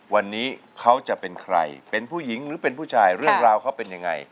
วันนี้เขาจะเป็นใครเป็นผู้หญิงหรือเป็นผู้ชายเรื่องราวเขาเป็นยังไง